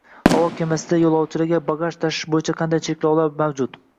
Havo kemasida yo‘lovchilarga bagaj tashish bo‘yicha qanday cheklovlar mavjud?